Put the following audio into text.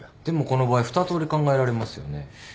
でもこの場合２通り考えられますよね。